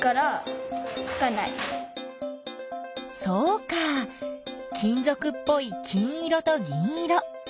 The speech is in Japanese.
そうか金ぞくっぽい金色と銀色。